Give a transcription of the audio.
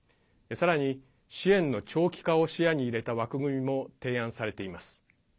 さらに支援の長期化を視野に入れた枠組みも提案されています。